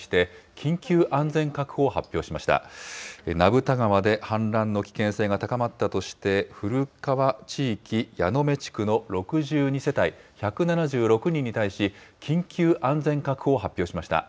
ぶた川で氾濫の危険性が高まったとして、古川地域やのめ地区の６２世帯１７６人に対し、緊急安全確保を発表しました。